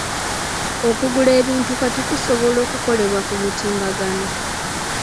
Okugula ebintu kati kusobola okukolebwa ku mutimbagano.